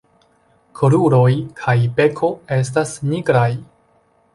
Kruroj kaj beko estas nigraj.